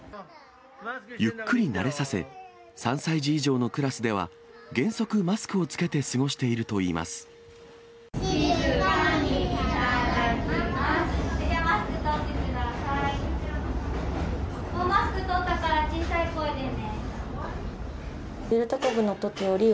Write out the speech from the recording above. ゆっくり慣れさせ、３歳児以上のクラスでは原則、マスクを着けて過ごしているとい静かにいただきます。